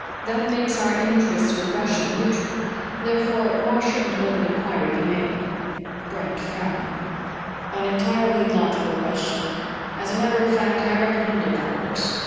That makes our interests with Russia mutual. Therefore, why shouldn't open inquiry be made?" Brent frowned. "An entirely logical question. As a matter of fact, I recommended that course.